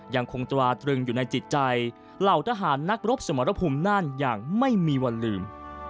ยังคงตราตรึงอยู่ในจิตใจเหล่าทหารนักรบสมรภูมิน่านอย่างไม่มีวันลืม